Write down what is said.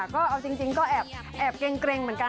ก็เอาจริงก็แอบเกร็งเหมือนกัน